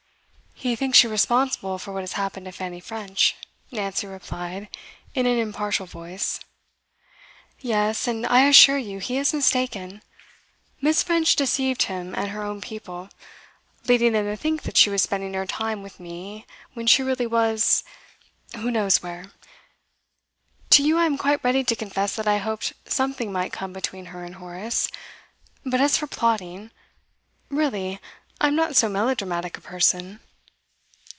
'He thinks you responsible for what has happened to Fanny French,' Nancy replied, in an impartial voice. 'Yes, and I assure you he is mistaken. Miss. French deceived him and her own people, leading them to think that she was spending her time with me, when really she was who knows where? To you I am quite ready to confess that I hoped something might come between her and Horace; but as for plotting really lam not so melodramatic a person.